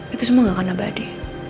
itu semua gak akan abadi